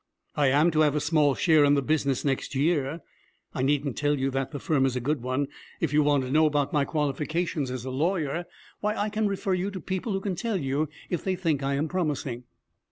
I am to have a small share in the business next year. I needn't tell you that the firm is a good one. If you want to know about my qualifications as a lawyer why, I can refer you to people who can tell you if they think I am promising.'